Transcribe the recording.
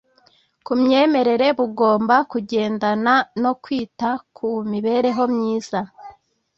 Ku myemerere bugomba kugendana no kwita ku mibereho myiza